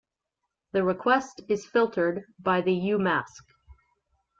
The request is filtered by the umask.